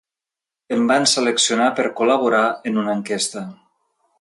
Em van seleccionar per col·laborar en una enquesta.